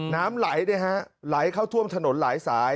น้ำไหลเนี่ยฮะไหลเข้าทั่วถนนไหลสาย